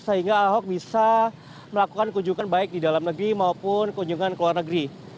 sehingga ahok bisa melakukan kunjungan baik di dalam negeri maupun kunjungan ke luar negeri